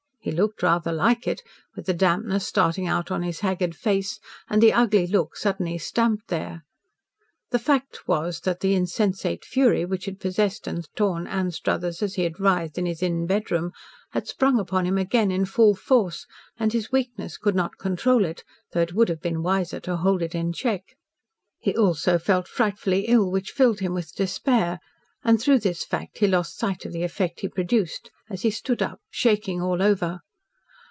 He looked rather like it, with the dampness starting out on his haggard face, and the ugly look suddenly stamped there. The fact was that the insensate fury which had possessed and torn Anstruthers as he had writhed in his inn bedroom had sprung upon him again in full force, and his weakness could not control it, though it would have been wiser to hold it in check. He also felt frightfully ill, which filled him with despair, and, through this fact, he lost sight of the effect he produced, as he stood up, shaking all over.